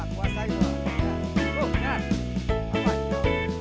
kuasa itu lah kuasa itu lah